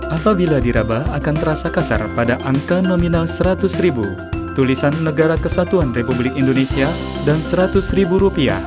apabila dirabah akan terasa kasar pada angka nominal rp seratus tulisan negara kesatuan republik indonesia dan rp seratus